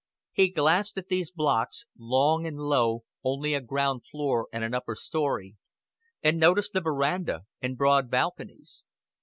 He glanced at these blocks long and low, only a ground floor and an upper story and noticed the veranda and broad balconies.